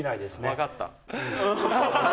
分かった。